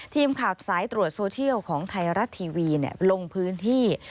ทีมข่าวสายตรวจโซเชียลของไทยรัฐทีวีลงพื้นที่